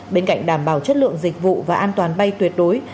bên cạnh đảm bảo chất lượng dịch vụ và an toàn bay tuyệt đối